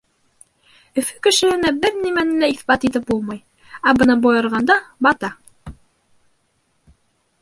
Өфө кешеһенә бер нимәне лә иҫбат итеп булмай. Ә бына бойорғанда — бата.